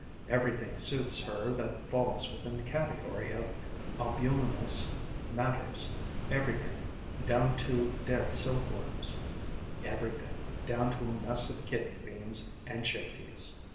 Everything suits her that falls within the category of albuminous matters: everything, down to dead silkworms; everything, down to a mess of kidney beans and chick peas.